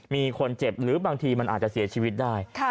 มีคนเจ็บหรือบางทีมันอาจจะเสียชีวิตได้